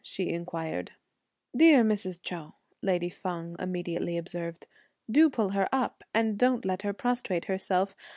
she inquired. "Dear Mrs. Chou," lady Feng immediately observed, "do pull her up, and don't let her prostrate herself!